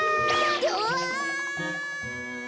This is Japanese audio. うわ！